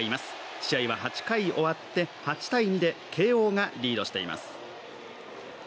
試合は８回終わって、８−２で慶応がリードしています。